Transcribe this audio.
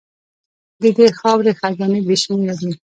د دې خاورې خزانې بې شمېره دي.